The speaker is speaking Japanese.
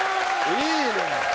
いいね！